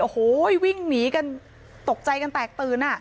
โอ้โหวิ่งหนีกันตกใจกันแตกตื่นอ่ะ